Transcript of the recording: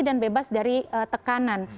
dan bebas dari tekanan